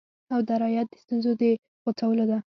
او درایت د ستونزو د غوڅولو ده